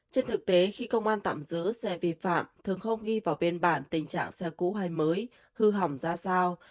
trên thực tế khi công an tạm giữ xe vi phạm thường không ghi vào bên bản tình trạng xe cũ hay mới hư hỏng ra sao